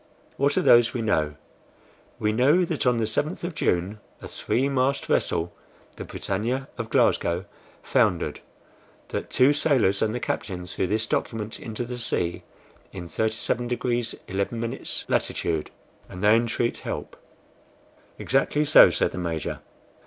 "What are those we know? We know that on the 7th of June a three mast vessel, the BRITANNIA of Glasgow, foundered; that two sailors and the captain threw this document into the sea in 37 degrees 11" latitude, and they entreat help." "Exactly so," said the Major.